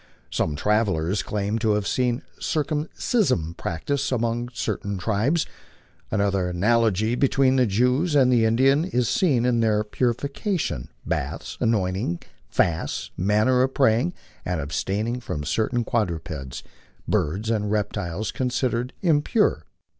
Some travellers claim to have seen circumcision practised among certain tribes. Another analogy between the Jews and the Indians is seen in their purifications, baths, anointings, fasts, manner of praying, and abstaining from certain quadrupeds, birds, and reptiles considered impure.